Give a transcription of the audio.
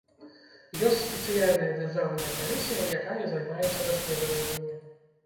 Ёсць спецыяльная дзяржаўная камісія, якая займаецца даследаваннямі.